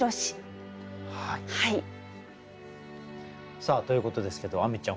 さあということですけど亜美ちゃん